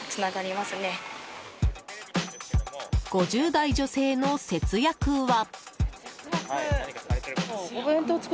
５０代女性の節約は。